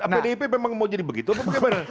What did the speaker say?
pdip memang mau jadi begitu atau bagaimana